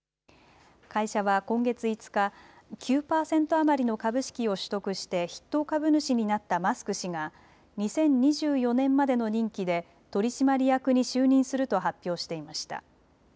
会社は今月５日、９％余りの株式を取得して筆頭株主になったマスク氏が２０２４年までの任期で取締役に就任すると発表していました。